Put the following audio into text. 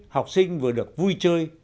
học sinh vừa được vui chơi